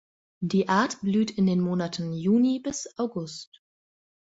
Die Art blüht in den Monaten Juni bis August.